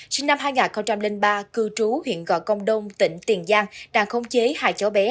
sinh năm hai nghìn ba cư trú huyện gò công đông tỉnh tiền giang đang khống chế hai cháu bé